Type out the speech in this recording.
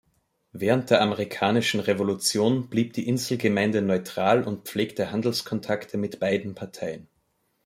Während der Amerikanischen Revolution blieb die Inselgemeinde neutral und pflegte Handelskontakte mit beiden Parteien.